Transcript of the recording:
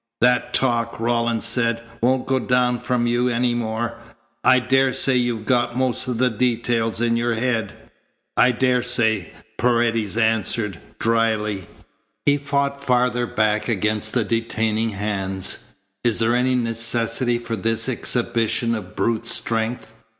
"That talk," Rawlins said, "won't go down from you any more. I daresay you've got most of the details in your head." "I daresay," Paredes answered dryly. He fought farther back against the detaining hands. "Is there any necessity for this exhibition of brute strength?